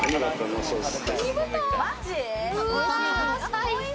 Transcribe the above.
最高。